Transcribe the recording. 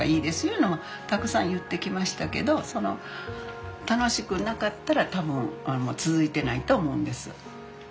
いうのはたくさん言ってきましたけど楽しくなかったら多分続いてないと思うんです。